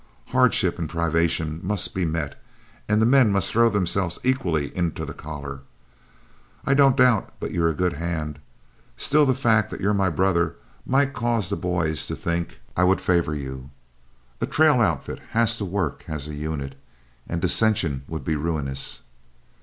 Hardship and privation must be met, and the men must throw themselves equally into the collar. I don't doubt but you're a good hand; still the fact that you're my brother might cause other boys to think I would favor you. A trail outfit has to work as a unit, and dissensions would be ruinous."